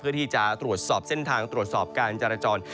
เพื่อที่จะตรวจสอบเส้นทางตรวจสอบการจราจร